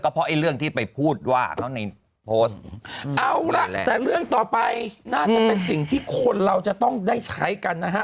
เพราะไอ้เรื่องที่ไปพูดว่าเขาในโพสต์เอาละแต่เรื่องต่อไปน่าจะเป็นสิ่งที่คนเราจะต้องได้ใช้กันนะฮะ